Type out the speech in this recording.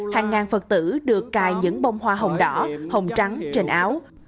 hàng ngàn phật tử được cài những bông hoa hồng đỏ hồng trắng trên áo